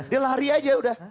dia lari aja udah